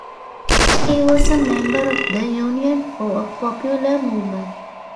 He was a member of the Union for a Popular Movement.